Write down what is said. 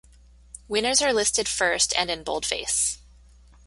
Winners are listed first and in boldface.